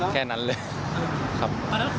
แค่นั้นเลยครับ